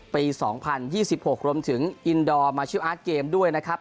ปี๒๐๒๖รวมถึงอินดอร์มาชื่ออาร์ตเกมด้วยนะครับ